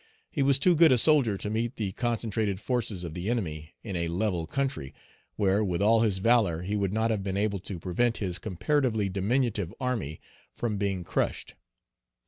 He was too good a soldier to meet the concentrated forces of the enemy in a level country, where, with all his valor, he would not have been able to prevent his comparatively diminutive army from being crushed.